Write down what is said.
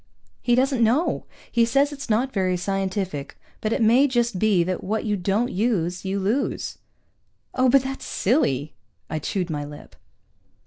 "He doesn't know. He says it's not very scientific, but it may just be that what you don't use, you lose." "Oh, but that's silly." I chewed my lip.